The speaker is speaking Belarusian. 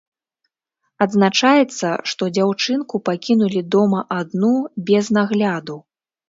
Адзначаецца, што дзяўчынку пакінулі дома адну без нагляду.